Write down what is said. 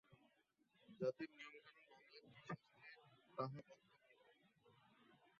জাতির নিয়ম-কানুন ভাঙিলে কি শাস্তি হয়, তাহা বক্তা বর্ণনা করেন।